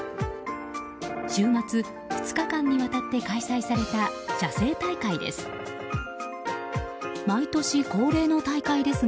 週末、２日間にわたって開催された写生大会です。